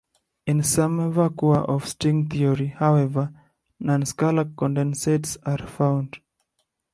In some vacua of string theory, however, non-scalar condensates are found.